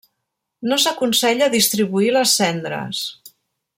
No s'aconsella distribuir les cendres.